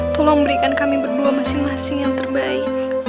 tolong berikan kami berdua masing masing yang terbaik